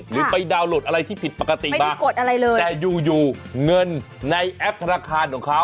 หรือไปดาวน์โหลดอะไรที่ผิดปกติมากดอะไรเลยแต่อยู่อยู่เงินในแอปธนาคารของเขา